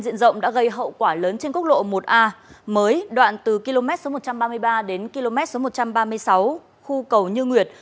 diện rộng đã gây hậu quả lớn trên quốc lộ một a mới đoạn từ km số một trăm ba mươi ba đến km số một trăm ba mươi sáu khu cầu như nguyệt